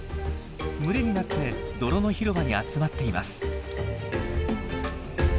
群れになって泥の広場に集まっています。